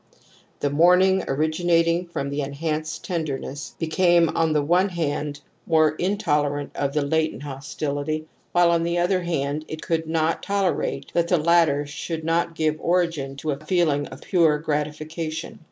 The mourning origina ting from the enhanced tenderness, became on » i.^ 108 TOTEM AND TABOO the one hand more intolerant of the latent hostility, while on the other hand it could not tolerate that the latter should not give origin to * a feeling of pure gratification.